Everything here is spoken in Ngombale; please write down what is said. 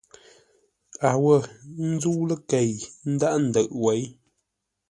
A wô nzə́u ləkei ńdághʼ ńdə̌ʼ wěi.